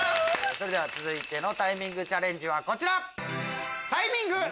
それでは続いてのタイミングチャレンジはこちら！